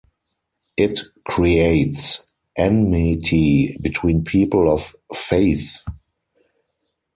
It creates enmity between people of faith.